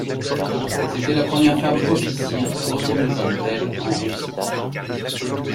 C'était la première femme officier, reconnue comme tel, en Russie.